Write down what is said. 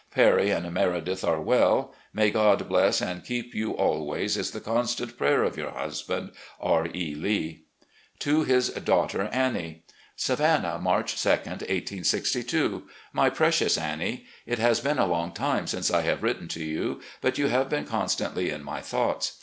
Perry and Meredith are well. May God bless and keep you always is the constant prayer of your husband, "R. E. Lee." To his daughter Annie: "Savannah, March 2, 1862. "My Precious Annie: It has been a long time since I have written to you, but you have been constantly in my thoughts.